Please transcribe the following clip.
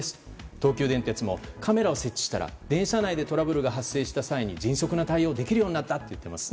東急電鉄もカメラを設置したら電車内でトラブルが発生した際に迅速な対応ができるようになったと言っています。